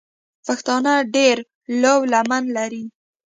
پښتانه ډېره لو لمن لري.